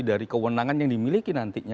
dari kewenangan yang dimiliki nantinya